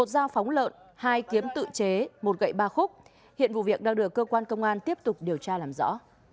một dao phóng lợn hai kiếm tự chế một gậy ba khúc hiện vụ việc đang được cơ quan công an tiếp tục điều tra làm rõ